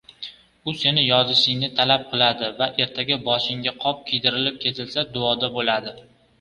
U seni yozishingni talab qiladi va ertaga boshingga qop kiydirilib ketilsa duoda boʻladi.